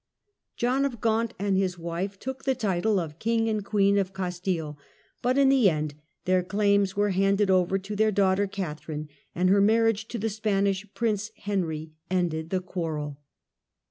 John of Gaunt and his wife took the title of King and Queen of Castile, but in the end their claims were handed over to their daughter Katherine, and her marriage to the Spanish Prince Henry ended the quarrel.